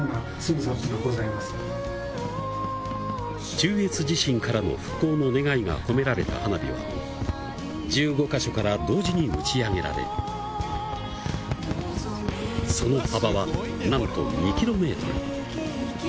中越地震からの復興の願いが込められた花火は、１５か所から同時に打ち上げられその幅は、なんと２キロメートル。